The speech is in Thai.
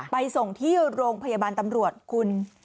ไปส่งที่โรงพยาบาลตำรวจคุณ